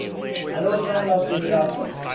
An old man lost in the darkness.